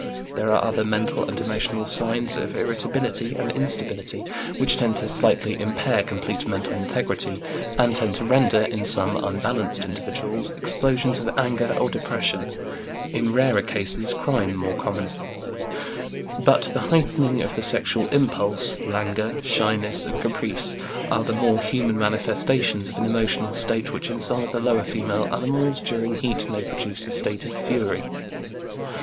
There are other mental and emotional signs of irritability and instability which tend to slightly impair complete mental integrity, and to render, in some unbalanced individuals explosions of anger or depression, in rarer cases crime, more common; but the heightening of the sexual impulse, languor, shyness, and caprice are the more human manifestations of an emotional state which in some of the lower female animals during heat may produce a state of fury.